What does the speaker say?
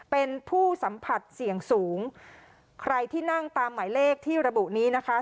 เป็นผู้สัมผัสเสี่ยงสูงใครที่นั่งตามหมายเลขที่ระบุนี้นะคะ